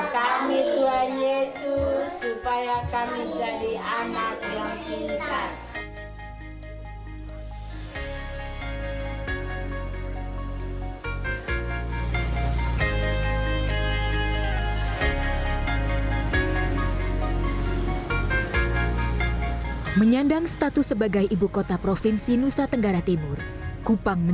tuhan yesus sekarang kami memasuki kelas